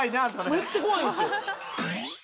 めっちゃ怖いんですよ。